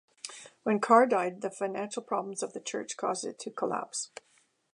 When Carr died the financial problems of the church caused it to collapse.